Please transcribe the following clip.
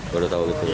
baru tahu gitu ya